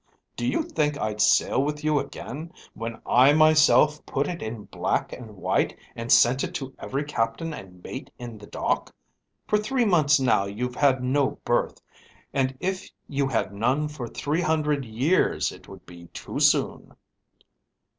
Do you think I'd sail with you again, when I myself put it in black and white and sent it to every captain and mate in the dock? For three months now you've had no berth, and if you had none for three hundred years it would be too soon."